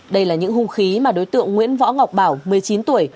đây là những hung khí mà đối tượng nguyễn võ ngọc bảo một mươi chín tuổi